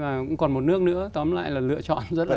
và cũng còn một nước nữa tóm lại là lựa chọn rất là ít